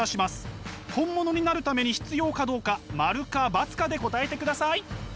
本物になるために必要かどうか○か×かで答えてください。